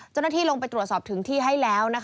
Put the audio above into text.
เจ้าหน้าที่ลงไปตรวจสอบถึงที่ให้แล้ว